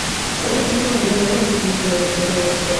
Además, siempre mantuvieron buenas relaciones con el resto de bandas.